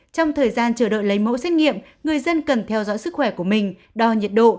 trong thời gian chờ đợi lấy mẫu xét nghiệm người dân cần theo dõi sức khỏe của mình đo nhiệt độ